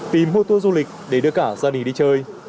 tìm mua tour du lịch để đưa cả gia đình đi chơi